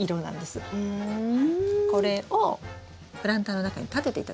これをプランターの中に立てていただいて